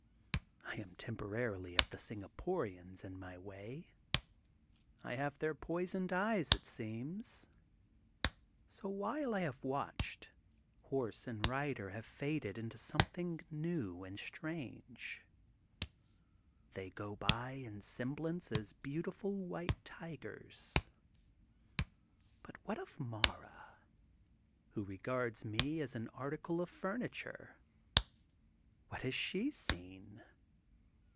^' I am temporarily of the Singaporians, in my way. I have their poisoned eyes, it seems. So, while I have watched, horse and rider have faded into something new and strange. They go by in semblance as beautiful white tigers. But what of Mara, who regards me as an article of furniture? What has she seen?